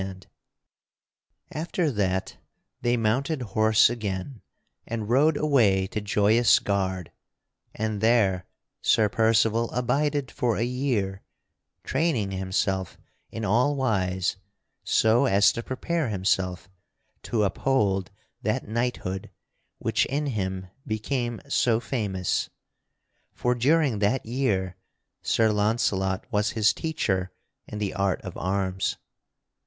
[Sidenote: How Sir Percival dwelt at Joyous Gard] After that, they mounted horse again and rode away to Joyous Gard, and there Sir Percival abided for a year, training himself in all wise so as to prepare himself to uphold that knighthood which in him became so famous. For, during that year Sir Launcelot was his teacher in the art of arms.